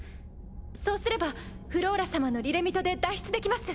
そうすればフローラ様のリレミトで脱出できます。